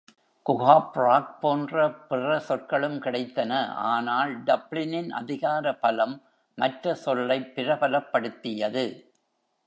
"குகாப்ராக்", போன்ற பிற சொற்களும் கிடைத்தன, ஆனால் டப்ளினின் அதிகார பலம் மற்ற சொல்லைப் பிரபலப்படுத்தியது.